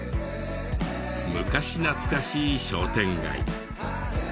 昔懐かしい商店街。